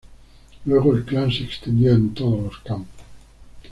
Luego el clan se extendió en todos los campos.